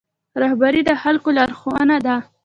رهبري د خلکو لارښوونه ده